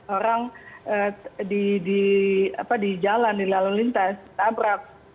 orang di jalan di lalu lintas tabrak